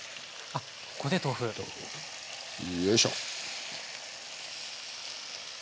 よいしょ。